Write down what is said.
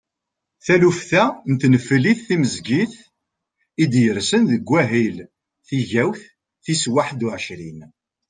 Taluft-a n tneflit timezgit i d-yersen deg wahil tigawt tis waḥedd u ɛecrin.